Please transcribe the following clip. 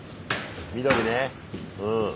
緑ねうん。